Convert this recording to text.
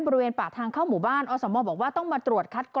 บริเวณ๑๐๐หมวดสมุทร